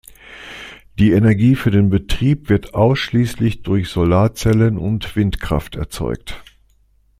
Die Energie für den Betrieb wird ausschließlich durch Solarzellen und Windkraft erzeugt.